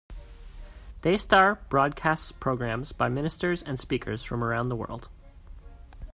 Daystar broadcasts programs by ministers and speakers from around the world.